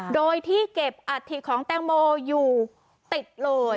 โดยที่เก็บอัฐิของแตงโมอยู่ติดเลย